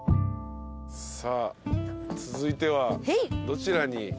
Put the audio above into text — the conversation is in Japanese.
さあ続いてはどちらに？